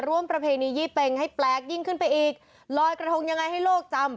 ประเพณียี่เป็งให้แปลกยิ่งขึ้นไปอีกลอยกระทงยังไงให้โลกจำ